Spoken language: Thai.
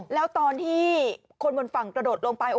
แล้วตอนที่คนบนฝั่งกระโดดลงไป